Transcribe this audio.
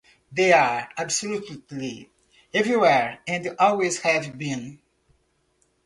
They are absolutely everywhere and always have been.